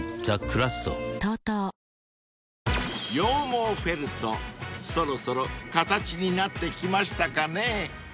［羊毛フェルトそろそろ形になってきましたかね］